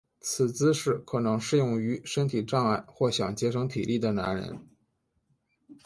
此姿势可能适用于身体障碍或想节省体力的男人。